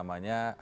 ada yang berubah